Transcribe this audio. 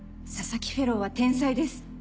佐々木フェローは天才です。